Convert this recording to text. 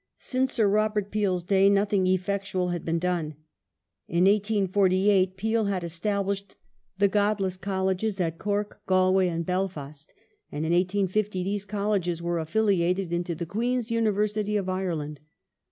Since Sir Robert Peel's day nothing effectual had been done. In 1848 Peel had established the " Godless " Colleges at Cork, Galway, and Belfast, and in 1850 these Colleges were affiliated into the Queen's University of Ireland.